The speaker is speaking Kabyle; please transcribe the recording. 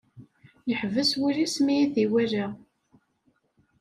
Yeḥbes wul-is mi i t-iwala.